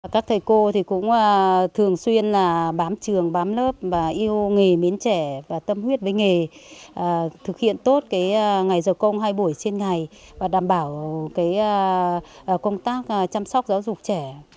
các thầy cô cũng thường xuyên là bám trường bám lớp và yêu nghề miến trẻ và tâm huyết với nghề thực hiện tốt ngày giờ công hai buổi trên ngày và đảm bảo công tác chăm sóc giáo dục trẻ